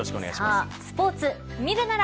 スポーツ見るなら。